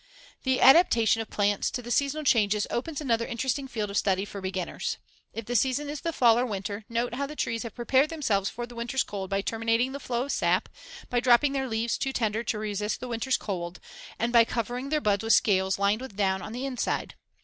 The adaptation of plants to the seasonal changes opens another interesting field of study for beginners. If the season is the fall or winter, note how the trees have prepared themselves for the winter's cold by terminating the flow of sap, by dropping their leaves too tender to resist the winter's cold, and by covering their buds with scales lined with down on the inside.